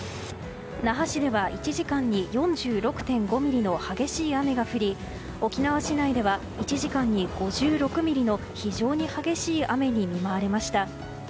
那覇市では１時間に４６．５ミリの激しい雨が降り沖縄市内では１時間に５６ミリの非常に激しい雨に見舞われました。